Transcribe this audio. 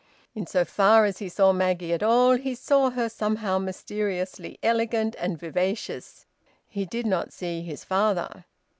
In so far as he saw Maggie at all, he saw her somehow mysteriously elegant and vivacious. He did not see his father.